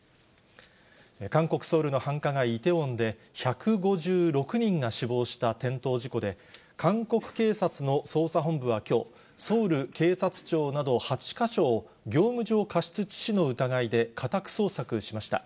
韓国・ソウルの繁華街、イテウォンで１５６人が死亡した転倒事故で、韓国警察の捜査本部はきょう、ソウル警察庁など８か所を業務上過失致死の疑いで家宅捜索しました。